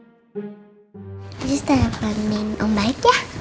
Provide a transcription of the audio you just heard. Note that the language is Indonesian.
terus kita mau main ombaik ya